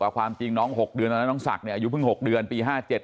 ความจริงน้อง๖เดือนตอนนั้นน้องศักดิ์อายุเพิ่ง๖เดือนปี๕๗